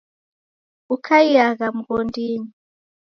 Ukaiagha mghondinyi